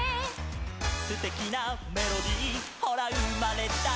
「すてきなメロディほらうまれたよ」